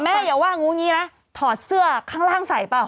แล้วนอนถอดเสื้อด้วยเหรอ